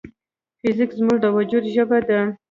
فزیک زموږ د وجود ژبه ده.